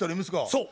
そう。